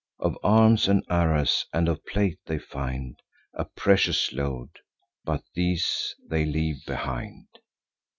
Of arms, and arras, and of plate, they find A precious load; but these they leave behind.